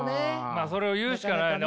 まあそれを言うしかないよね。